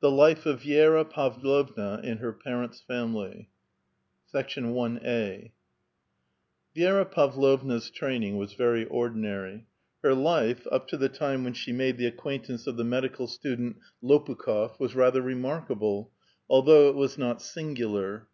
THE LIFE OF VI^RA PAVLOVNA IN HER PARENTS' FAMILY. I. ViijRA Pavlovna's training was very ordinary. Her life, up to the time when she made the acquaintance of the medi ciil student Lopukh6r, was rather remarkable, although it was not singular.